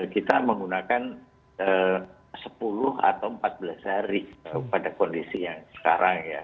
kita menggunakan sepuluh atau empat belas hari pada kondisi yang sekarang ya